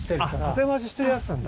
建て増ししてるやつなんだ。